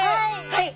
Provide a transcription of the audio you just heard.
はい。